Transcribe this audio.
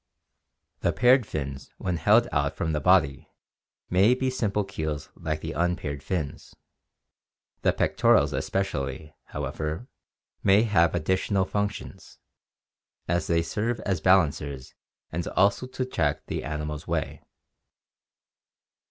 The paired fins when held out from the body may be simple keels like the unpaired fins; the pectorals especially, however, may have additional functions, as they serve as balancers and also to check the animal's way.